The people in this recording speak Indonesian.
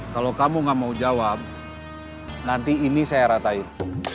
kalau kamu gak mau jawab nanti ini saya ratain